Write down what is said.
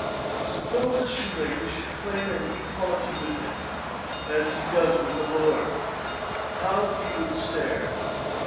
'Suppose a shoemaker should claim an equality with him, as he does with a Lord; how he would stare.